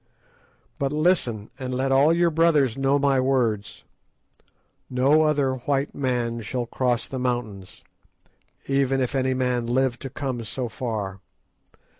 "But listen, and let all your brothers know my words. No other white man shall cross the mountains, even if any man live to come so far.